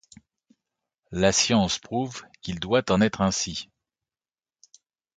La science prouve qu’il doit en être ainsi.